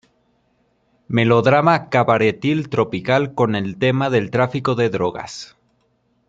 Melodrama cabaretil-tropical con el tema del tráfico de drogas.